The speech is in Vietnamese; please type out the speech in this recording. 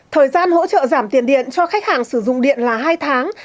thời gian hỗ trợ giảm tiền điện cho khách hàng sử dụng điện là hai tháng